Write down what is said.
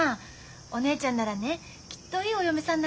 お姉ちゃんならねきっといいお嫁さんになれると思うのよ。